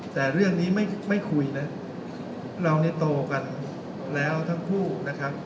แต่เรื่องนี้ไม่คุยนะเราเนี่ยโตกันแล้วทั้งคู่นะครับ